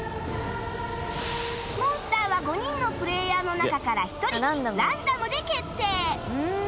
モンスターは５人のプレイヤーの中から１人ランダムで決定